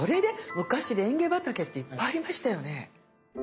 昔レンゲ畑っていっぱいありましたよね。